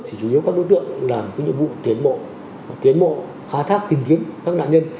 thì chủ yếu các đối tượng làm những nhiệm vụ tiến mộ khai thác tìm kiếm các nạn nhân